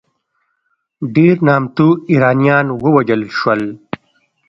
ډېر نامتو ایرانیان ووژل شول.